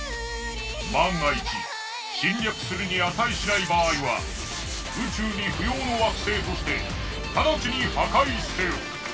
万が一侵略するに値しない場合は宇宙に不要の惑星として直ちに破壊せよ！